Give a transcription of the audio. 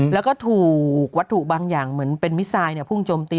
แล้วก็ถูกวัตถุบางอย่างเหมือนเป็นมิทรายพุ่งจมตี